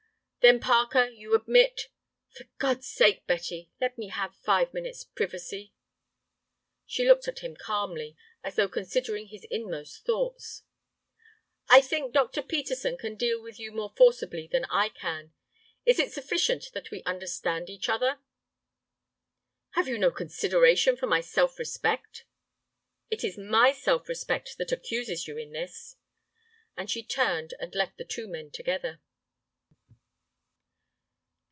"Then, Parker, you admit—" "For God's sake, Betty, let me have five minutes' privacy—" She looked at him calmly, as though considering his inmost thoughts. "I think Dr. Peterson can deal with you more forcibly than I can. It is sufficient that we understand each other." "Have you no consideration for my self respect?" "It is my self respect that accuses you in this." And she turned and left the two men together.